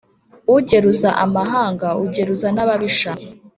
Ugeruza amahanga, ugeruza n'ababisha